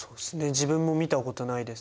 自分も見たことないです。